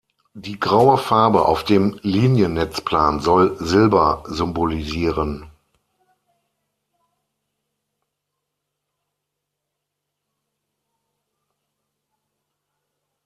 Die graue Farbe auf dem Liniennetzplan soll Silber symbolisieren.